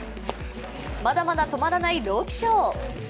まだまだ止まらない朗希ショー。